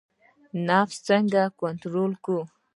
نفس څنګه کنټرول کړو؟